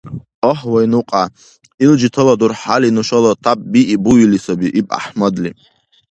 - Агь, вайнукья! Ил житала дурхӀяли нушала тап бигӀи буили саби, - иб ГӀяхӀмадли.